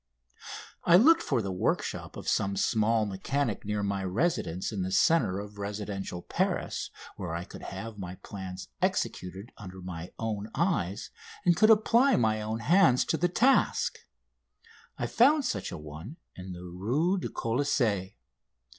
I looked for the workshop of some small mechanic near my residence in the centre of residential Paris where I could have my plans executed under my own eyes and could apply my own hands to the task. I found such an one in the Rue du Colisée.